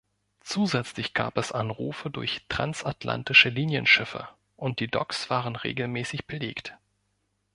Zusätzlich gab es Anrufe durch transatlantische Linienschiffe und die Docks waren regelmäßig belegt.